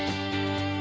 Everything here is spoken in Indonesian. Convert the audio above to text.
per satu belas